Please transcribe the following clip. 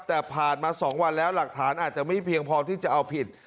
แต่ผ่านมา๒วันแล้วหลักฐานอาจจะไม่เพียงพอที่จะเอาผิด